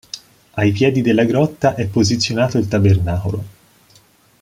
Ai piedi della grotta è posizionato il tabernacolo.